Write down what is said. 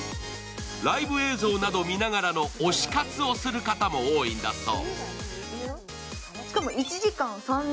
ライブ映像など見ながらの推し活をする方も多いんだそう。